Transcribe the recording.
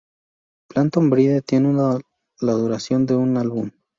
Phantom Bride tiene la duración de un álbum.